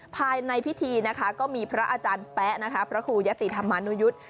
ภายในพิธีนะคะก็มีพระอาจารย์แป๊ะนะคะพระครูยะติธรรมนุยุทธ์